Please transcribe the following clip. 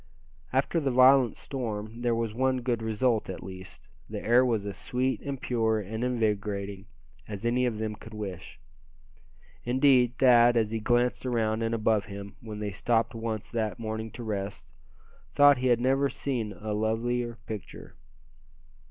After the violent storm there was one good result, at least; the air was as sweet and pure and invigorating as any of them could wish. Indeed, Thad, as he glanced around and above him, when they stopped once that morning to rest, thought he had never seen a lovelier picture.